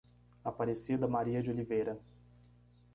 Aparecida Maria de Oliveira